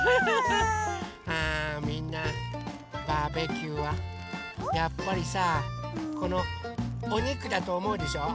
あみんなバーベキューはやっぱりさこのおにくだとおもうでしょう？